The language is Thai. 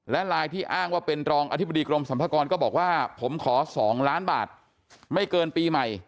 และไลน์ที่อ้างว่าเป็นรองอธิบดีกรมสรรพากรก็บอกว่าผมขอ๒ล้านบาทไม่เกินปีใหม่